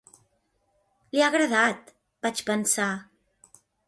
Li ha agradat, vaig pensar.